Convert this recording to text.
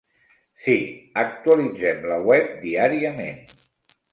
Sí, actualitzem la web diàriament.